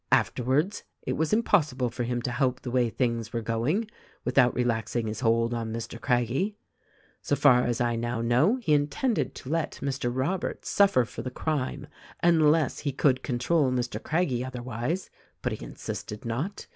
Afterwards it was impossible for him to help the way things were going, without relaxing his hold on Mr. Craggie. So far as I now know he intended to let Mr. Robert suffer for the crime unless he could control Mr. Craggie otherwise ; but he insisted not.